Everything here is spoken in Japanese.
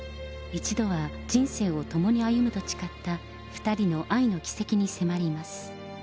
一度は人生を共に歩むと誓った２人の愛の軌跡に迫ります。